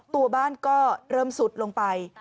ตัวบ้านก็เริ่มซุดลงไป